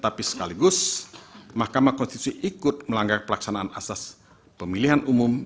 tapi sekaligus mahkamah konstitusi ikut melanggar pelaksanaan asas pemilihan umum